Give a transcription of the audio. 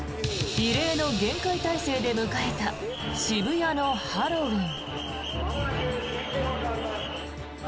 異例の厳戒態勢で迎えた渋谷のハロウィーン。